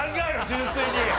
純粋に。